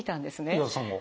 岩田さんが？